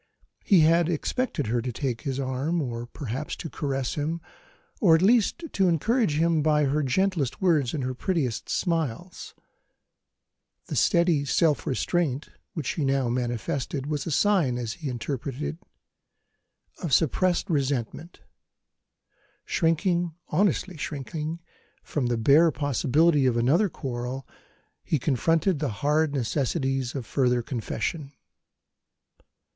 He had expected her to take his arm, or perhaps to caress him, or at least to encourage him by her gentlest words and her prettiest smiles. The steady self restraint which she now manifested was a sign, as he interpreted it, of suppressed resentment. Shrinking, honestly shrinking, from the bare possibility of another quarrel, he confronted the hard necessities of further confession.